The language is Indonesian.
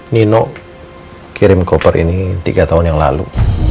nino kirim koper ini tiga tahun yang lalu